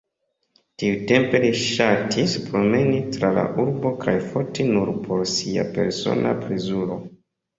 Tiutempe li ŝatis promeni tra la urbo kaj foti nur por sia persona plezuro.